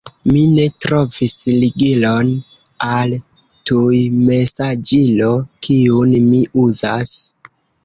Mi ne trovis ligilon al tujmesaĝilo, kiun mi uzas.